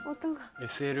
ＳＬ。